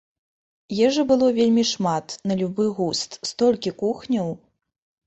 Ежы было вельмі шмат, на любы густ, столькі кухняў!